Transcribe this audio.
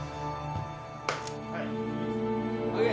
はい。